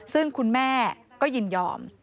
ซึ่งคุณแม่ก็ยินยอม